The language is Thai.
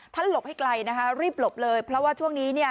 หลบให้ไกลนะคะรีบหลบเลยเพราะว่าช่วงนี้เนี่ย